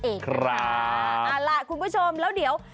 เอาล่ะคุณผู้ชมแล้วเดี๋ยว